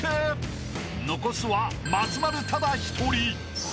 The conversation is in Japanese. ［残すは松丸ただ一人！］